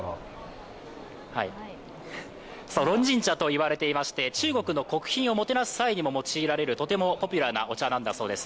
龍井茶といわれていまして、中国の国賓をもてなす際にも用いられる、とてもポピュラーなお茶なんだそうです。